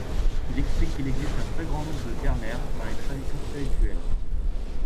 Il explique qu'il existe un très grand nombre de ternaires dans les traditions spirituelles.